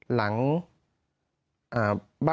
หลังบ้านที่เป็นฝั่งตรงข้ามใช่ไหมครับ